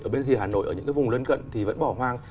ở bên dìa hà nội ở những vùng lân cận thì vẫn bỏ hoang